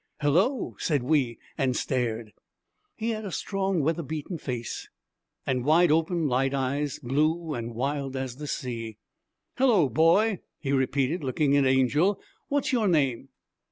'Hello!' said we; and stared. He had a strong, weather beaten face, and wide open, light eyes, blue and wild as the sea. 'Hello, boy!' he repeated, looking at Angel. 'What's your name?'